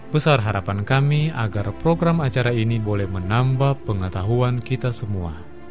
besar harapan kami agar program acara ini boleh menambah pengetahuan kita semua